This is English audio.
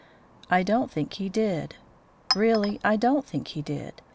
I don't think he did; really, I don't think he did.